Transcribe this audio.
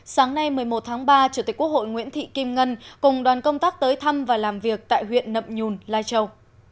sáng nay một mươi một tháng ba chủ tịch quốc hội nguyễn thị kim ngân cùng đoàn công tác tới thăm và làm việc tại huyện nậm nhùn lai châu